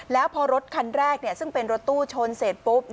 แล้วพอรถคันแรกซึ่งเป็นรถตู้ชนเสร็จปุ๊บ